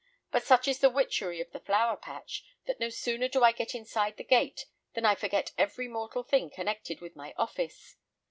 But such is the witchery of the Flower patch, that no sooner do I get inside the gate than I forget every mortal thing connected with my office.